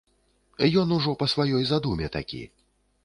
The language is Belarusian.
Ён ужо па сваёй задуме такі.